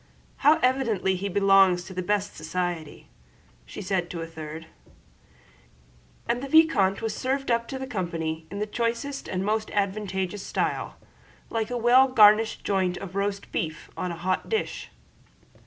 "How evidently he belongs to the best society," said she to a third; and the vicomte was served up to the company in the choicest and most advantageous style, like a well garnished joint of roast beef on a hot dish.